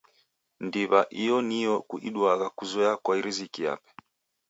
Ndiw'a iyo niyo iduagha kuzoya kwa riziki yape.